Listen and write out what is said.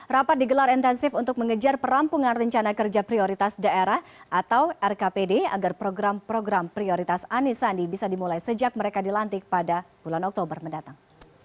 rapat digelar intensif untuk mengejar perampungan rencana kerja prioritas daerah atau rkpd agar program program prioritas anisandi bisa dimulai sejak mereka dilantik pada bulan oktober mendatang